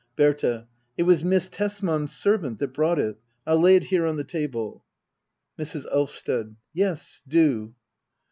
Berta. It was Miss Tesman's servant that brought it. I'll lay it here on the table. Mrs. Elvsted. Yes, do.